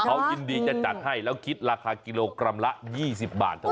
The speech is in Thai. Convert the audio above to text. เขายินดีจะจัดให้แล้วคิดราคากิโลกรัมละ๒๐บาทเท่านั้น